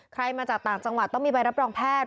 มาจากต่างจังหวัดต้องมีใบรับรองแพทย์